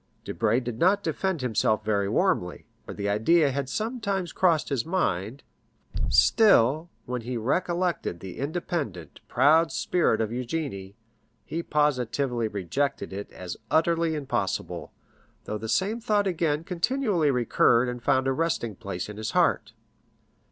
Debray did not defend himself very warmly, for the idea had sometimes crossed his mind; still, when he recollected the independent, proud spirit of Eugénie, he positively rejected it as utterly impossible, though the same thought again continually recurred and found a resting place in his heart.